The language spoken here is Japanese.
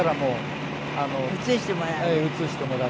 映してもらう？